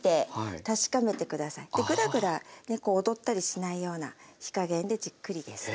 グラグラこう躍ったりしないような火加減でじっくりですね。